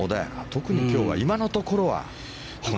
特に今日は今のところは。